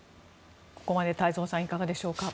ここまで太蔵さんいかがでしょうか。